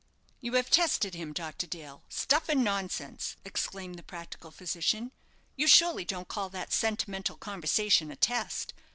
"You have tested him, Mr. Dale! stuff and nonsense!" exclaimed the practical physician. "You surely don't call that sentimental conversation a test?